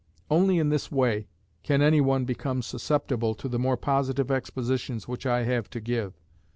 Only in this way can any one become susceptible to the more positive expositions which I have to give.